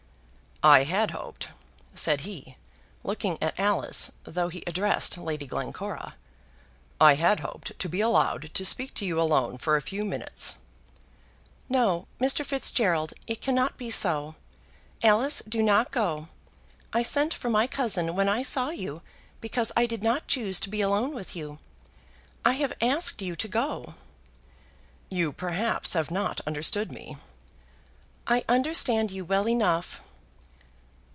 "I had hoped," said he, looking at Alice, though he addressed Lady Glencora "I had hoped to be allowed to speak to you alone for a few minutes." "No, Mr. Fitzgerald; it cannot be so. Alice do not go. I sent for my cousin when I saw you, because I did not choose to be alone with you. I have asked you to go " "You perhaps have not understood me?" "I understand you well enough."